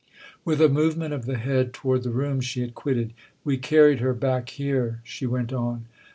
With a movement of the head toward the room she had quitted, " We carried her back here," she went on.